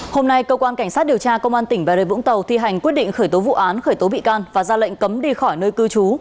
hôm nay cơ quan cảnh sát điều tra công an tỉnh bà rê vũng tàu thi hành quyết định khởi tố vụ án khởi tố bị can và ra lệnh cấm đi khỏi nơi cư trú